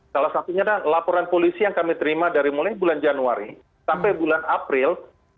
salah satunya adalah laporan polisi yang kami terima dari mulai bulan januari sampai bulan april dua ribu dua puluh